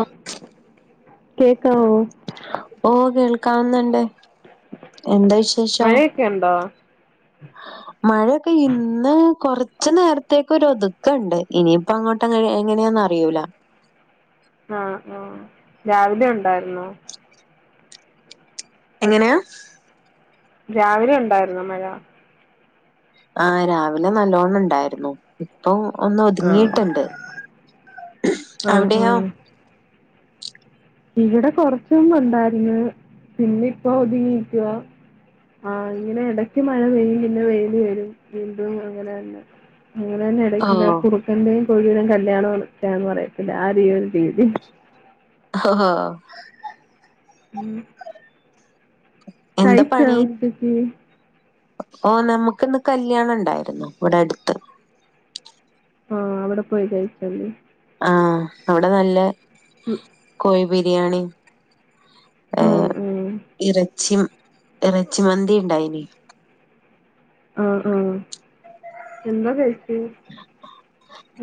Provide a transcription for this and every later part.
O കേക്കവോ ഓ കേൾക്കാവ്ന്നുണ്ട് എന്താ വിശേഷം മഴയൊക്കെ ഉണ്ടോ മഴയൊക്കെ ഇന്ന് കൊറ ഉച്ച നേരത്തേക്ക് ഒരു ഒതുക്കണ്ട് ഇനിയിപ്പം അങ്ങോട്ട് എങ്ങനെയാണെന്ന് അറിയൂല ആ ആ രാവിലെ ഒണ്ടായിരുന്നോ എങ്ങനെയാ രാവിലെ ഉണ്ടായിരുന്നോ മഴ ആഹ് രാവിലെ നല്ലോണ്ണം ഇണ്ടായിരുന്നു ഇപ്പോ ഒന്ന് ആഹ് ഒതുങ്ങിട്ടുണ്ട് ആഹ് അവിടെയോ ആഹ് ഇവിടെ കൊറച്ച് മുമ്പ് ഒണ്ടായിരുന്നു പിന്നെ ഇപ്പൊ ഒതുങ്ങിയിരിക്കുക ആ ഇങ്ങനെ എടക്ക് മഴ പെയ്യും പിന്നെ വെയില് വരും വീണ്ടും അങ്ങനെ തന്നെ അങ്ങനെ തന്നെയടെ ഓ കുറുക്കന്റെയും കോഴിടെയും കല്യാണം എന്ന് ചേട്ടൻ പറയും ആ രീ ഇവിടെ ഹോഹോ ഉം എന്താ കഴിച്ചോ പണി ഉച്ചയക്ക് ഓ നമക്ക് ഇന്ന് കല്യാണം ഇണ്ടായിരുന്നു ഇവിടെ അടുത്ത് ആ അവിടെ പോയി കഴിച്ചു അല്ലേ ഞ അവിടെ നല്ല ഉം കോയ് ബിരിയാണിം ഏ ആഹ് ആഹ് ഇറച്ചിം ഇറച്ചി മന്തിണ്ടായിനി ആ ആ എന്താ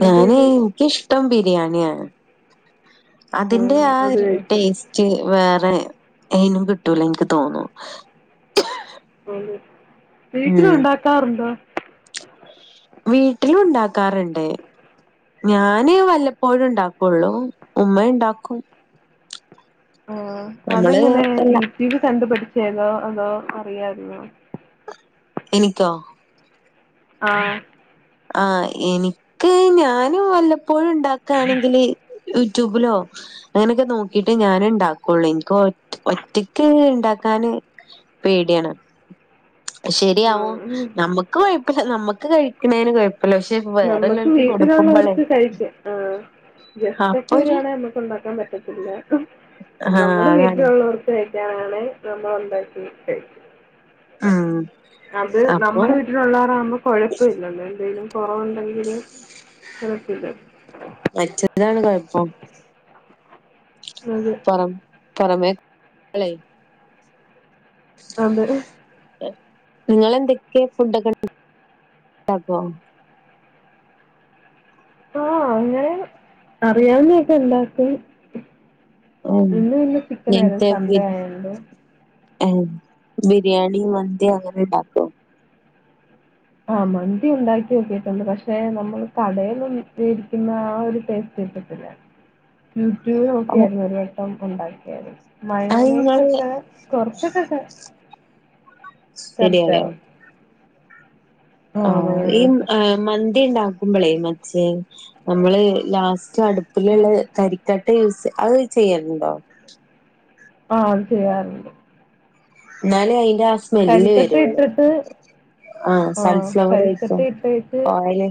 ഞാന് എന്തേല് എനിക്കിഷ്ടം ബിരിയാണിയാണ്. അതിന്റെ ആ അത് ഒര് കഴിച്ചോ? ടേസ്റ്റ് വേ ഏയ്‌നും കിട്ടൂല ഇന്ക്ക് തോന്നും ഉം വീട്ടില് ഉണ്ടാക്കാറുണ്ടോ? വീട്ടിലും ഉണ്ടാക്കാറുണ്ട്. ഞാന് വല്ലപ്പോഴും ഉണ്ടാക്കുള്ളു. ഉമ്മ ഇണ്ടാക്കും. ആ അതെങ്ങനെ യൂട്യൂബ് കണ്ടുപഠിച്ചേന്നൊ അതോ [unintelligible] എനിക്കോ ആഹ് ആ എനിക്ക് ഞാനും വല്ലപ്പോഴും ഉണ്ടാക്കാണെങ്കില് യൂട്യൂബിലോ അങ്ങനെയൊക്കെ നോക്കിട്ടേ ഞാൻ ഉണ്ടാക്കുള്ളൂ. എനിക്ക് ഒ ഒറ്റക്ക് ഉണ്ടാ ന് പേടിയാണ് ആ. ശരിയാവോ നമുക്ക് കൊഴപ്പല്ല. നമ്മുക്ക് കഴിക്ക്ണേന് കുഴപ്പ നമ്മുക്ക് വീട്ടുകാണവർക്ക് കഴിക്ക ആ ഗസ്റ്റ്ക്കെ അപ്പൊ ഒരു വരുവാണേ നമുക്ക് ഉണ്ടാക്കാൻ പറ്റത്തില്ല. ഹ ആഹ് നമ്മുടെ അതാണ് വീട്ടിലുള്ളവർക്ക് [unintelligible] നമ്മള് ഉണ്ടാക്കി ഉം അത് അപ്പൊ നമ്മുടെ വീട്ടിലുള്ളവരാ വുമ്പോ കൊഴപ്പഇല്ലല്ലോ എന്തേലും കൊറവുണ്ടെങ്കില് [unintelligible] മറ്റതാണ് കൊഴപ്പം അതെ പുറമേ [unintelligible] അതെ നിങ്ങളെന്തൊക്കെ ഫുഡക്കെണ്ടാക്കോ ആ ഇങ്ങനെ അറിയാവുന്നൊക്കെ ഇണ്ടാക്കും ഉം ഇന്ന് പിന്നെ ചിക്കനായിരുന്നു, സൺ‌ഡേ ആയോണ്ട് ഏ ബിരിയാണി മന്ദിയൊ അങ്ങനെണ്ടോ ആ മന്തി ഉണ്ടാക്കി നോക്കിട്ടുണ്ട് പക്ഷെ നമ്മള് കടേൽ മേടിക്കുന്ന ആ ഒരു ടേസ്റ്റ് യൂട്യൂബ് നോക്കിയായിരുന്നു ഒരു വട്ടം ഉണ്ടാക്കിയത് അത് മയൂണേസ് ഇങ്ങള് ഒക്കെ കൊറച്ചൊക്കൊക്കെ തരട്ടെ ആ ഈ ഏ മന്തി ഇണ്ടാക്കുമ്പളേ മറ്റേ നമ്മള് ലാസ്റ്റ് ആഹ് അടുപ്പിലുള്ള കരിക്കട്ട യൂസ് അത് ചെയ്യല്ണ്ടോ? ആ അത് ചെയ്യാറുണ്ട്. ഇന്നാലേ അയിന്റെ ആ സ്മെല്ല് കരിക്കട്ട വരുള്ളു. ഇട്ടിട്ട് ആഹ ആഹ് സൽഫ്ലവർ കരിക്കട്ട ആയിരിക്കും ഇട്ടേച്ച് കോയല്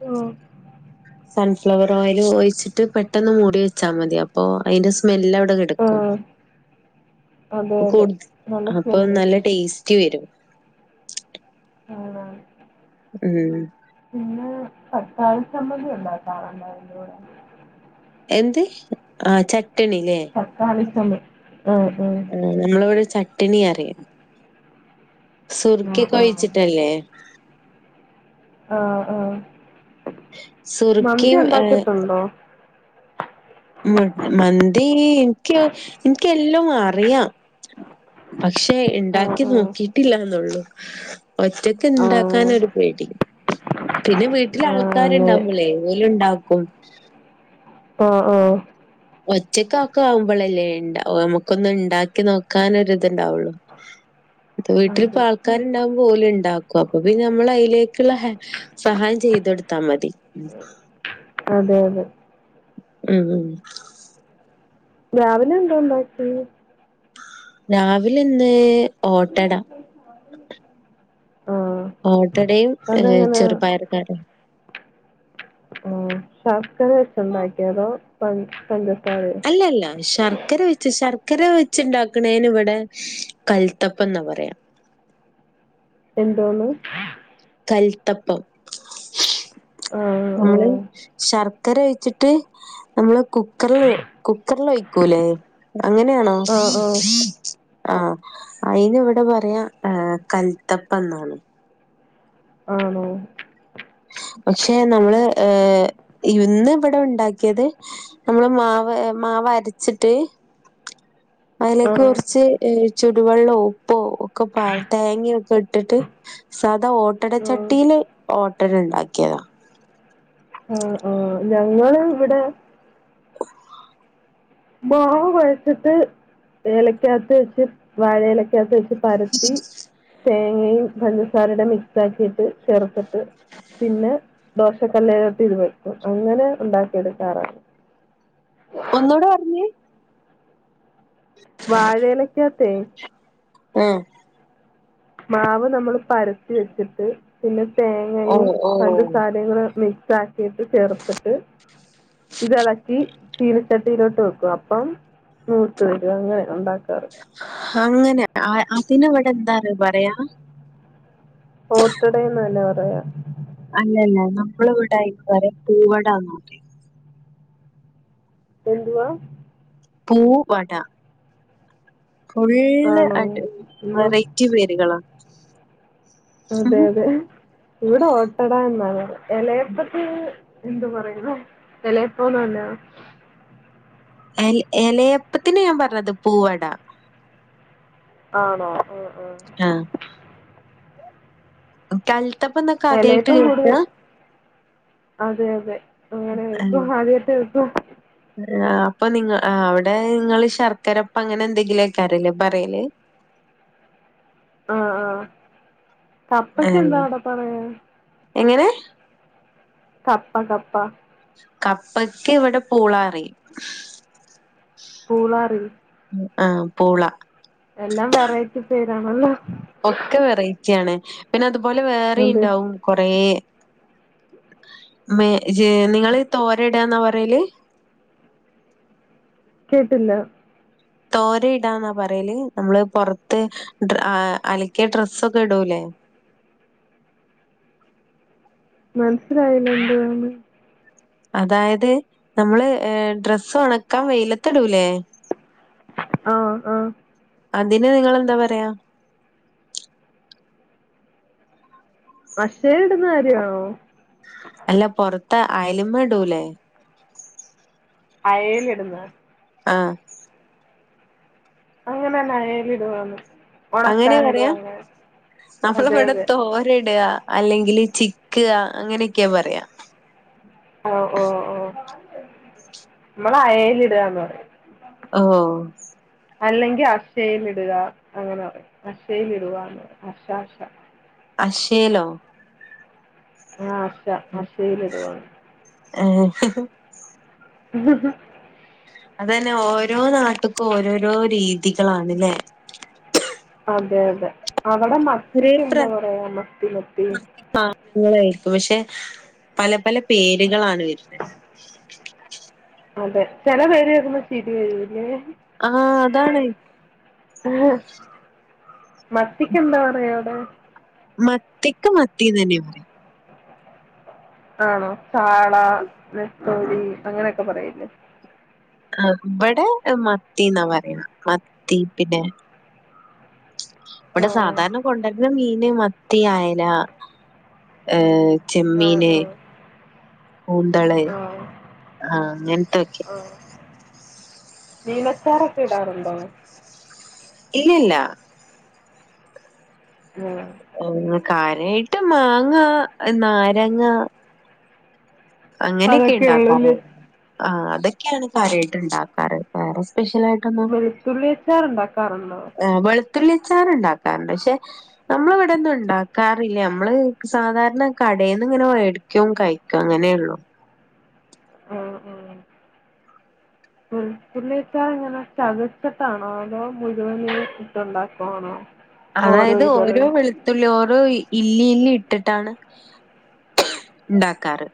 ഓ സൺഫ്ലവർ ഓയിൽ ഒഴിച്ചിട്ട് പെട്ടെന്ന് മൂടി വെച്ചാ മതി അപ്പോൊ അതിന്റെ സ്മെല്വി ക്കും ആഹ് അതെ അതെ നല്ല അപ്പൊ സ്മെല്ല് നല്ല കിട്ടും. ടേസ്റ്റി വരും ആഹ് ഉം പിെ പത്ത സംമ്മതി ഉണ്ടായി കാണണ്ടതിന്റെ കൂടെ എന്ന്ത് ആ ച ചട്ടണില്ലേ തക്കാളി ചമ്മ ആഹ് ആ നമ്മളവിടെ ചട്ടണി അറിയണം സുർക്കി ആഹ് ആഹ് ആഹ്. കഴിച്ചിട്ടല്ലേ ആഹ ആഹ മന്തി സുർക്കിയും ഉണ്ടാക്കിട്ടണ്ടോ മ മന്തി എനിക്ക് എനക്ക് എല്ലാം അറിയാം പക്ഷെ ആഹ് ഉണ്ടാക്കി ആഹ്. നോക്കി് ില്ലന്നള്ളു ഒറ്റക്ക് ആഹ് ഉണ്ടാക്കാനൊ ഒരു പേടി പിന്നെ വീട്ടില ആഹ് ആൾക്കാ [unintelligible] ക്കാണ്ടമ്മല്ലേ ഓല ഉണ്ടാക്കും. ആഹ ആഹ ഒച്ചക്ക ഒക്കെ ആവുമ്പോളല്ലേ ഇണ്ട നമുക്കൊന്ന് ഉണ്ടാക്കി നോക്കാനൊരു ഇതുണ്ടാവുള്ളു. അ വീട്ടിലിപ്പ അതെ. ആൾക്കാാര്ണ്ടാവുമ്പോ ഓല് ഇണ്ടാക്കും അപ്പൊ നമ്മൾ അതിലേക്കുള്ള സഹായം ചെയ്യ ചെയ്തെടുത്താ മതി. അതെ അതെ ഉം ഉം രാവിലെ എന്താ ഉണ്ടാക്കി? രാവില ഇന്ന് ഓട്ടട. ആഹ്. ഓട്ടടയും അതെങ്ങനെ ചെറുപയർ [unintelligible] ആഹ് പ പഞ്ച പഞ്ചസാരയോ? അല്ലല്ല ശർക്കര വെച്ച് ശർ ചക്കരെ വെച്ചുണ്ടാക്കണേന് ഇവിടെ കൽത്തപ്പ എന്നാ പറയാം. എന്തോന്ന്? കൽത്തപ്പം ആഹ നമ്മള് ശർക്കര ഒഴിച്ചിട്ട് നമ്മള് കുക്കറിൽ കുക്കറൽ ഒഴിക്കൂല്ലേ? അങ്ങനെയാണോ? ആഹ് ആഹ്. ആഹ അയിന് ഇവിടെ പറയാ കൽത്തപ്പ എന്നാണ്. ആണോ? പക്ഷെ നമ്മള് ഏഹ ഇന്ന് ഇവിടെ ഉണ്ടാക്കിയത് നമ്മള് മാവ് മാവ് അരച്ചിട്ട് അതിലേക്ക് ആഹ് കുറച്ച് ചുടുവെള്ളമ ഉപ്പോ ഒക്കെ തേങ്ങയൊക്കെ ഇട്ടിട്ട് സാധാ ഓട്ടടച്ചട്ടിയില് ഓട്ടട ഉണ്ടാക്കിയതാ ആഹ ആഹ ഞങ്ങള് ഇവിടെ മാവ കുഴച്ചിട്ട് ഏലയ്ക്കകത്ത് വെച്ച് വാഴ ലക്കകത്ത് വെച്ച് പരത്തി തേങ്ങയും പഞ്ചസാരയുടെ മിക്സ് ആക്കിയിട്ട് ചേർത്തിട്ട് പിന്നെ ദോഷക്കല്ലയിലോട്ട് ഇരുവെക്കും അങ്ങനെ ഉണ്ടാക്കിയെടുക്കാറാണ്. ഒന്നോട് പറഞ്ഞേ വാഴയിലക്കെത്ത ആഹ് മാവ് നമ്മൾ പരത്തി വെച്ചിട്ട് പിന്നെ തേങ്ങയും ഓഹ് ഓഹ് പഞ്ചസാരയിം മിക്സ് ആക്കിയിട്ട് ചേർത്തിട്ട് ഇത്ളക്കി ചീനച്ചട്ടയിലോട്ട് വെക്കും അപ്പം നൂത്ത് വരും അങ്ങനെ ഉണ്ടാക്ക അങ്ങനെ അതിനവിടെ എന്താ പറയാ ഓട്ടടന്ന് തല്ലെ പറയാ അല്ലല്ല നമ്മൾ ഇവിടായി വരെ പൂവടാ [unintelligible] എന്തുവാ? പൂവട ഫുള്ള് ആണോ അത് ഉം. വെറൈറ്റി പേരുകളാ അതെ അതെ ഇവിടെ ഓട്ടട എന്നാണ് ഇലയപ്പത്തി എന്തു പറയുന്ന വിലയപ്പോന്ന അന്ന എല എലയപ്പത്തിന് ഞാൻ പറഞ്ഞത് പൂവട ആണോ ആ ആ ആഹ് കൽത്തപ്പ ന്നൊക്കെ ആദ്യായിട്ട് എലയപ്പം കൂടുതൽ കേൾക്ക? അതെ അതെ അങ്ങനെ കേക്കും ആദ്യത്തെക്ക ആ അപ്പൊ നിങ്ങ അവിടെ നിങ്ങള് ശർക്കരപ്പ അങ്ങനെ എന്തെങ്കിലുക്കരലേ പറയല് ആ ആഹ് കപ്പയ്ക്കെന്താ ആഹ് അവിടെ പറയാ? എങ്ങനെ കപ്പാ കപ്പാ കപ്പക്ക് ഇവിടെ പൂളാറ പൂളാറിൽ ആ പൂള എല്ലാം വെറൈറ്റി പേരാണല്ലോ ഒക്കെ വെറൈറ്റി ആാണ് പിന്നെ അതുപോലെ വേറെ അതെ ണ്ടാവും കൊറ മേ നിങ്ങള് തോരടാന്നാ പറയല് കേട്ടില്ല തോര ഇടാന്നാ പറയല് നമ്മള് പുറത്ത് അലക്കിയ ഡ്രസ്സൊക്കെ ഇടൂല്ലേ ആ മനസ്സിലായില്ല എന്ത്വാന്ന് അതായത് നമ്മള് ഏർ ഡ്രസ്സ് ഉണക്കാൻ വെയിലത്തെടൂലേ ആ ആ അതിന് നിങ്ങെളെന്താ പറയാ അക്ഷയ ഇടുന്ന കാര്യണോ അല്ല പൊറത്ത് ആയല മടൂല്ലേ അയല ഇടുന്ന ആ അങ്ങനെന്നായല ഇടു വന്ന് അങ്ങനെ പറയാ അതെ നമ്മളവിടെ അതെ തോര ഇടയാ അല്ലെങ്കില് ചിക്ക അങ്ങനെയൊക്കെയാ പറയാ ഓ ഓ നമ്മൾ അയൽ ഇടന്ന് പറയും ഹ അല്ലെങ്കിൽ അശൽ ഇടുക അങ്ങനെ പറ അഛൽ ഇടുകന്ന് അശ അക്ഷേലോ ആഹ അഷ ആഷയില ഇതുവാണ് ആ ഉഹ ഹ അതന്നെ ഓരോ നാട്ടക്കും ഓരോരോ രീതികളാണ്ല്ലേ അതെ അതെ അവിടെ ഒരേ മത്തിക്ക് പ്ര എന്താ പറയാ മത്തി മത്തി ായിരിക്കും പക്ഷെ പല പല പേരുകളാണ് വരുന്നത് അതെ ചെില പേര് കേൾക്കുമ്പോൾ ചിരി വരൂല്ലേ ഇ ആഹ് അതാണ്. മത്തിക്ക് എന്താ പറയാ അവിടെ മത്തിക്ക് മത്തി നന്നെയാ പറയാ ആണോ ചാള നെത്തോരി അങ്ങനെയൊക്കെ പറയില്ലേ ആ ഇവിടെ മത്തി എന്നാ പറയണ മത്തി പിന്നെ ആ. ഇവിടെ സാധാരണ കൊണ്ടുവരുന്ന മീന് മത്തി ആയല ഏഹ ആ. ചെമ്മീന ആ. ഉണ്ടല്ലേ ആ. ആഹ് അങ്ങനത്തെയൊക്കെ ആ. മീനച്ചാറൊക്കെ ഇടാറുണ്ടോ ഇല്ലില്ല ഉം. ഓ കാര്യായിട്ട് മാങ്ങ നാരങ്ങ അങ്ങനെയൊക്കെയാ അതൊക്കെ ഉണ്ടാക്കാറ് ഉള്ളൂല്ലേ? ആ അതൊക്കെയാണ് കാര്യവായിട്ട് ഉണ്ടാക്കാറ് വേറെ സ്പെഷ്യൽ ആയിട്ടൊന്നും വെളുത്തുള്ളി അച്ചാർ ഉണ്ടാക്കാറുണ്ടോ? ആ വെളു ത്തുള്ളി അച്ചാറ് ഉണ്ടാക്കാറുണ്ട് പക്ഷെ നമ്മള് ഇവിടൊന്നും ഉണ്ടാ ക്കാറില്ല നമ്മള് സാധാരണ കടേന്ന് ഇങ്ങനെ മേടിക്കും കഴിക്കും അങ്ങനേയുള്ളൂ ഉം ഉം ഉം ഉള്ളി അച്ചാറ് ഇങ്ങനെ ചതച്ചിട്ടാണോ അതോ മുഴുവനായിട്ട് ഇട്ടുണ്ടാക്കുവാണോ അതായത് ഓരോ വെളുത്തുള്ളി ഓരോ ഇ ല്ലി ഇല്ലി ഇട്ടിട്ടാണ് ഉണ്ടാക്കാറ്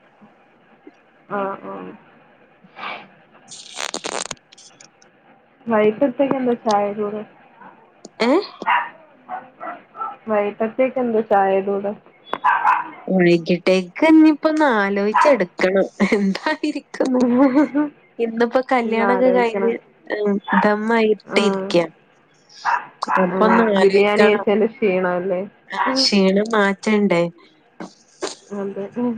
ആഹ് ആഹ് വൈകിട്ടത്തേക്ക് എന്താ ചായേടെ കൂടെ ഏഹ് വൈകിട്ടത്തേക്കെന്താ ചായേടെ കൂടെ വൈകിട്ടത്തേക്ക് ഇനിയിപ്പോ ഒന്ന് ആലോചിച്ച് എടുക്കണം എന്തായിരിക്കും ഇന്നിപ്പോ ഒന്ന് കല്യാണൊക്കെ ആലോചിക്കണം. കഴിഞ്ഞ് ആ. ദമ്മായിട്ട് ഇരിക്കുക ആ. എനിക്കൊന്ന് ബിരിയാണി ആലോചിക്കണം കഴിച്ചതിന്റെ ക്ഷീണം അല്ലേ? ആ ക്ഷീണം മാ റ്റണ്ടേ അതെ ഉം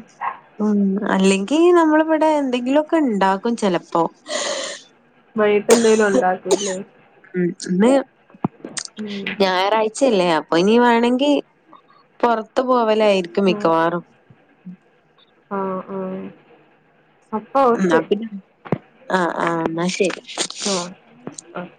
ഉം അല്ലെങ്കി നമ്മളിവിടെ എന്തെങ്കിലുമൊക്കെ ഉണ്ടാക്കും ചെല പ്പോ വൈയിട്ട് എന്തേലും ഉണ്ടാക്കൂല്ലേ ഉം ഇന്ന് ഉം ഞായറാഴ്ചല്ലേ അപ്പൊ ഇനി വേണെങ്കി പൊറ ത്തു പോവലായിരിക്കും ആഹ് മിക്കവാറും ആഹ് ആഹ് അപ്പൊ എന്ന ഓക്കെ പിന്നെ ആഹ് ആഹ് എന്നാ ശരി ആഹ് ആഹ്